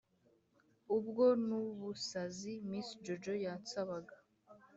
ubwo n’ubusazi, miss jojo yansabaga